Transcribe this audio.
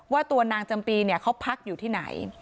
ว่าตัวนางจำปีเนี่ยเขาพักอยู่ที่ไหน